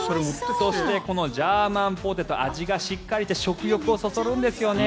そしてこのジャーマンソーセージ味がしっかりと食欲をそそるんですよね。